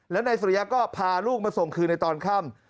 แล้วนายสุริยะก็พาลูกมาส่งคืนในตอนค่ำ